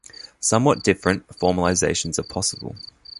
Somewhat different formalizations are possible.